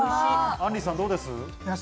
あんりさんどうです？